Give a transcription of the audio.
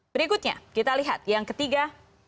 berikutnya kita lihat yang ketiga